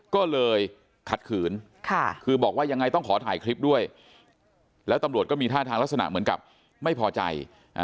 ก็เลยขัดขืนคือบอกว่ายังไงต้องขอถ่ายคลิปด้วยแล้วตำรวจก็มีท่าทางลักษณะเหมือนกับไม่พอใจ